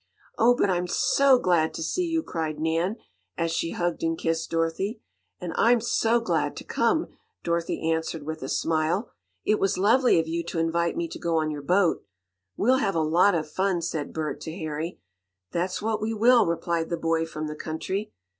"Oh, but I'm SO glad to see you!" cried Nan, as she hugged and kissed Dorothy. "And I'm SO glad to come," Dorothy answered with a smile. "It was lovely of you to invite me to go on your boat." "We'll have a lot of fun," said Bert to Harry. "That's what we will," replied the boy from the country.